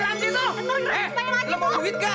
eh elah berantem ya lo